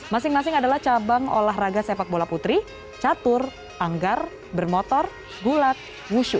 masing masing adalah cabang olahraga sepak bola putri catur anggar bermotor gulat wushu